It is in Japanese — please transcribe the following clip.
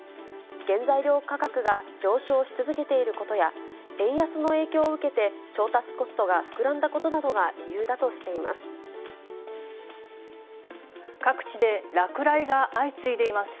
原材料価格が上昇し続けていることや、円安の影響を受けて、調達コストが膨らんだことなどが理由だとしています。